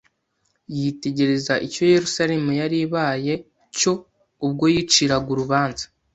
Yitegereza icyo Yerusalemu yari ibaye cyo ubwo yiciraga urubanza